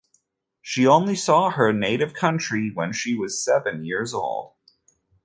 She only saw her native country when she was seven years old.